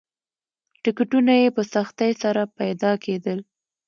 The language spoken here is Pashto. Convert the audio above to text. ټکټونه یې په سختۍ سره پیدا کېدل.